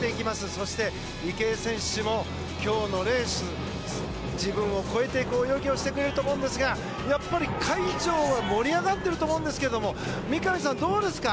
そして、池江選手も今日のレースでは自分を超えていく泳ぎをしてくれると思うんですがやっぱり会場は盛り上がっていると思うんですけども三上さん、どうですか？